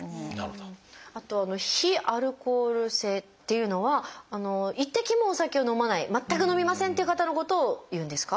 あと非アルコール性っていうのは一滴もお酒を飲まない全く飲みませんっていう方のことを言うんですか？